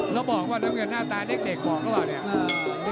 เราบอกว่าน้ำเงินหน้าตาเด็กบอกแล้วเหรอเนี่ย